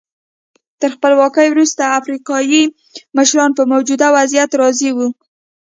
تر خپلواکۍ وروسته افریقایي مشران په موجوده وضعیت راضي وو.